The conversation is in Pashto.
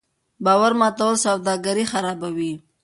باور ماتول سوداګري خرابوي.